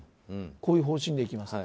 こういう方針でいきますと。